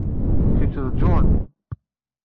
Kečč d John.